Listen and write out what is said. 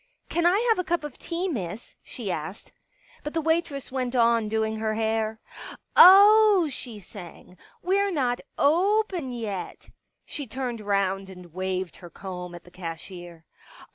" Can I have a cup of tea. Miss ?" she asked. But the waitress went on doing her hair. " Oh," she sang, " we're not open yet." She turned round and waved her comb at the cashier.